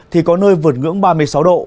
thì có nơi vượt ngưỡng ba mươi sáu độ